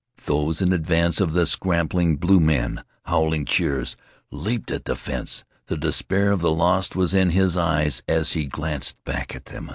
Those in advance of the scampering blue men, howling cheers, leaped at the fence. The despair of the lost was in his eyes as he glanced back at them.